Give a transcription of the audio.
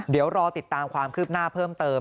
เดี๋ยวรอติดตามความคืบหน้าเพิ่มเติม